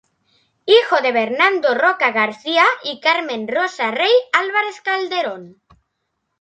Hijo de Bernardo Roca García y Carmen Rosa Rey Álvarez-Calderón.